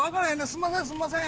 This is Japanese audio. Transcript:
「すんませんすんません」